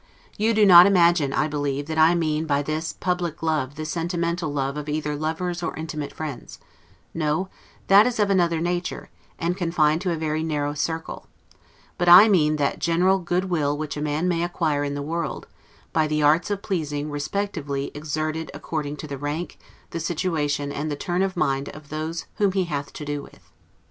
You do not imagine, I believe, that I mean by this public love the sentimental love of either lovers or intimate friends; no, that is of another nature, and confined to a very narrow circle; but I mean that general good will which a man may acquire in the world, by the arts of pleasing respectively exerted according to the rank, the situation, and the turn of mind of those whom he hath to do with.